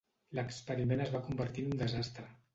L'experiment es va convertir en un desastre.